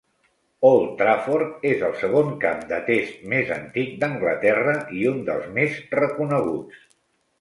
Old Trafford és el segon camp de Test més antic d'Anglaterra i un dels més reconeguts.